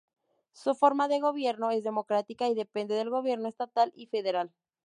Su forma de gobierno es democrática y depende del gobierno estatal y federal.